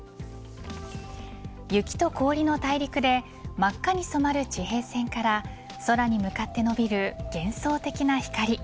雪と氷の大陸で真っ赤に染まる地平線から空に向かって伸びる幻想的な光。